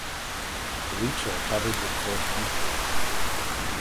Elytra covered with coarse punctures.